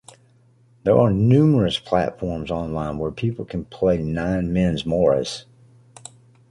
There are numerous platforms online where people can play nine men's morris.